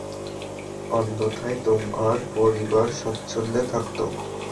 অন্যথায় তোমার পরিবার স্বাচ্ছন্দ্যে থাকতো।